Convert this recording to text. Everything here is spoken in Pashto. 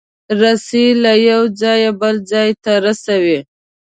رسۍ له یو ځایه بل ځای ته رسوي.